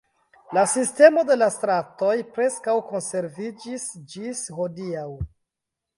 La sistemo de la stratoj preskaŭ konserviĝis ĝis hodiaŭ.